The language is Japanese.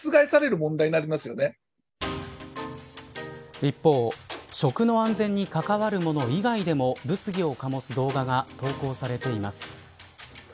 一方、食の安全に関わるもの以外でも物議を醸す動画が投稿されています。